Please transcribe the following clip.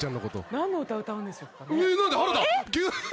何の歌歌うんでしょうかね？